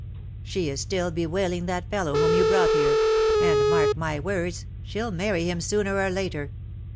She is still bewailing that fellow whom you brought here — and, mark my words, she^ll marry him sooner or later.